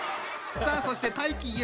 さあそして怪奇！